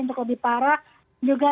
untuk lebih parah juga